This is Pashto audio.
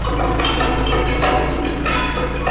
د نجونو لیلیه په پټه نه بدلیږي.